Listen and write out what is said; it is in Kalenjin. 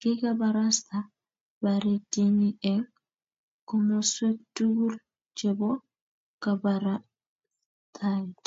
kikabarasta baretnyin eng' komoswek tugul chebo kabarastaet.